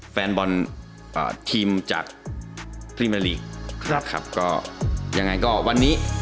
แฟนบอลทีมจากพรีเมอร์ลีกครับครับก็ยังไงก็วันนี้